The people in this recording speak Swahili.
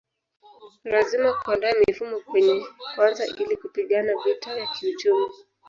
Lazima kuandaa mifumo kwanza ili kupigana vita ya kiuchumi